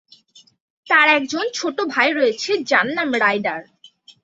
তার একজন ছোট ভাই রয়েছে, যার নাম রাইডার।